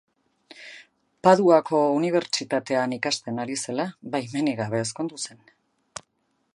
Paduako Unibertsitatean ikasten ari zela, baimenik gabe ezkondu zen.